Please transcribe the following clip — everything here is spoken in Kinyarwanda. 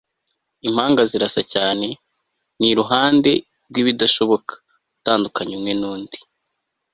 Impanga zirasa cyane ni iruhande rwibidashoboka gutandukanya umwe nundi